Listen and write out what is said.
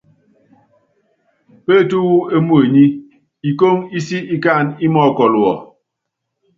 Pémetú wú émuenyí, ikóŋó ísi ikáanɛ́ ímɔɔ́kɔl wɔ.